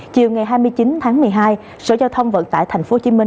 chiều ngày hai mươi chín tháng một mươi hai sở giao thông vận tải tp hcm